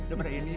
lebih dari ini